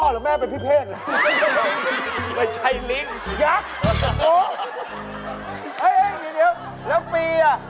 แล้วปีหรือ